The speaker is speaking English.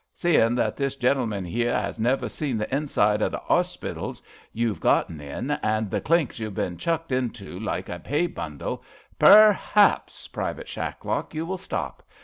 Seein* that this gentle man 'ere has never seen the inside o' the orsepitals you've gotten in, and the clinks you've been chucked into like a hay bundle, per haps, Private Shacklock, you will stop.